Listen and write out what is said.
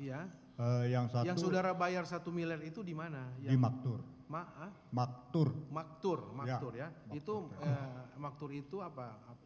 ya yang saudara bayar satu miliar itu dimana yang maktur maaf maktur maktur maktur ya itu maktur itu apa